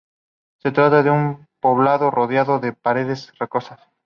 Se trata de un poblado rodeado de paredes rocosas.